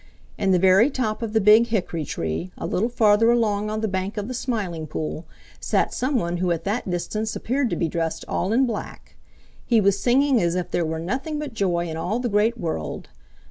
In the very top of the Big Hickory tree, a little farther along on the bank of the Smiling Pool, sat some one who at that distance appeared to be dressed all in black. He was singing as if there were nothing but joy in all the great world.